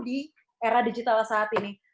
di era digital saat ini